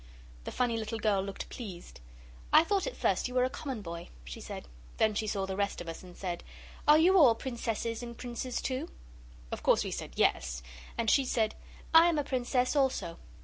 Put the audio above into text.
The funny little girl looked pleased 'I thought at first you were a common boy,' she said. Then she saw the rest of us and said 'Are you all Princesses and Princes too?' Of course we said 'Yes,' and she said 'I am a Princess also.